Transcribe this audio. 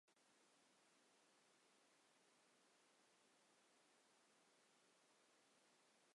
ঐ গ্রীষ্মে ট্রেন্ট ব্রিজে প্রথম টেস্টে দলের দ্বাদশ খেলোয়াড়ের ভূমিকায় অবতীর্ণ হন।